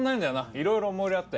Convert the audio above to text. いろいろ思い入れあって。